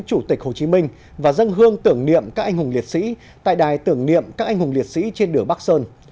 chủ tịch hồ chí minh và dân hương tưởng niệm các anh hùng liệt sĩ tại đài tưởng niệm các anh hùng liệt sĩ trên đường bắc sơn